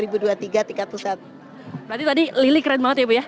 berarti tadi lili keren banget ya bu ya